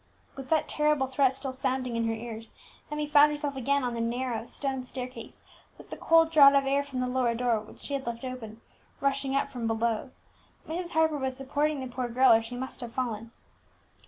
With that terrible threat still sounding in her ears, Emmie found herself again on the narrow stone staircase, with the cold draught of air from the lower door, which she had left open, rushing up from below. Mrs. Harper was supporting the poor girl, or she must have fallen.